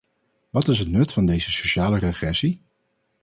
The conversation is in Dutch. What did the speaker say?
Wat is het nut van deze sociale regressie?